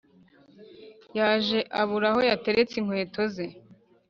Yaje abura aho yateretse inkweto ze